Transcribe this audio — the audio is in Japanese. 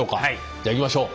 じゃあいきましょう。